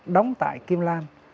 đóng tại kim lan